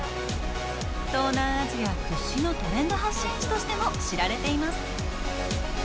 東南アジア屈指のトレンド発信地としても知られています。